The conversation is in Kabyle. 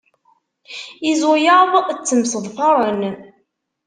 Izuyaḍ ttemseḍfaren.